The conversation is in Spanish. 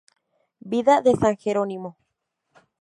Vida de San Jerónimo".